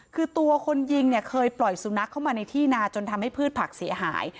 คือตัวคนยิงเนี่ยเคยปล่อยสุนัขเข้ามาในที่นาจนทำให้พืชผักเสียหาย